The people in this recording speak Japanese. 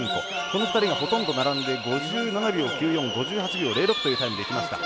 この２人がほとんど並んで５７秒９４、５８秒０６というタイムでいきました。